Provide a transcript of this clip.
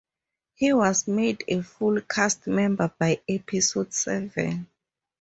He was made a full cast member by episode seven.